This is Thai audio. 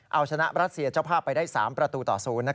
เอาชนะรัสเซียเจ้าภาพไปได้๓ประตูต่อ๐